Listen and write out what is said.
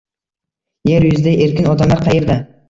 Yer yuzida erkin odamlar qaerda?